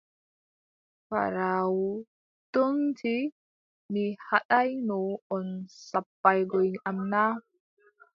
Paaɗaawu toonti: mi haɗaayno on sappaagoy am na?